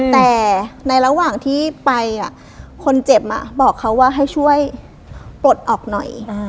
แต่ในระหว่างที่ไปคนเจ็บบอกเขาว่าให้ช่วยปลดออกหน่อย